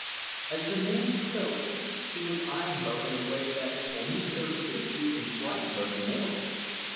As the man spoke, he was eyeing her in a way that only served to confuse and frighten her the more.